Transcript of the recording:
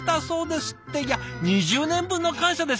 っていや２０年分の感謝ですよ？